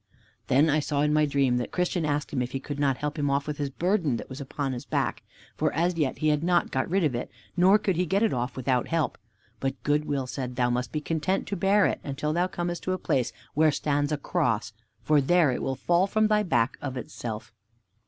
Then I saw in my dream that Christian asked him if he could not help him off with his burden that was upon his back. For as yet he had not got rid of it, nor could he get it off without help. But Good will said, "Thou must be content to bear it, until thou comest to a place where stands a Cross, for there it will fall from thy back of itself."